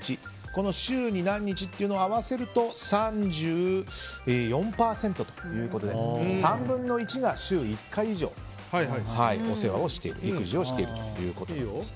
この週に何日というのを合わせると３４％ということで３分の１が週１回以上育児をしているということです。